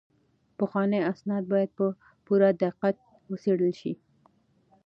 پخواني اسناد باید په پوره دقت وڅیړل شي.